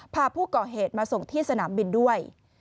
พาผู้ก่อเหตุมาส่งที่สนามบินด้วย